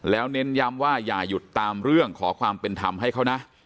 แล้วเน้นย้ำว่าอย่าหยุดตามเรื่องขอความเป็นธรรมให้เขานะ